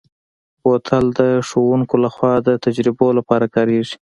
بوتل د ښوونکو لخوا د تجربو لپاره کارېږي.